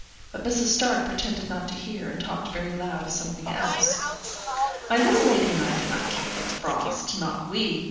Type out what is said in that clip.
But Mrs. Stark pretended not to hear, and talked very loud of something else. My little lady and I did not care for the frost; not we!